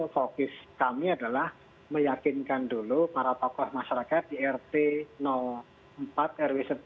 fokus kami adalah meyakinkan dulu para tokoh masyarakat di rt empat rw sebelas